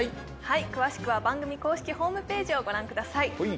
はい詳しくは番組公式ホームページをご覧ください